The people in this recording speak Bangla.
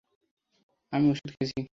আমি ওষুধ খেয়েছি।